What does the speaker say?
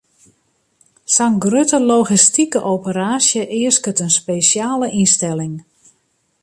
Sa'n grutte logistike operaasje easket in spesjale ynstelling.